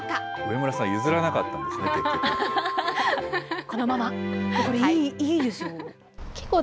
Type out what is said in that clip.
上村さん、譲らなかったんですね、結局。